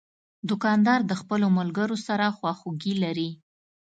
دوکاندار د خپلو ملګرو سره خواخوږي لري.